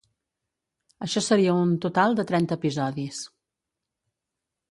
Això seria un total de trenta episodis.